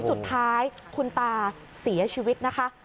สุดท้ายคุณตาเสียชีวิตนะคะ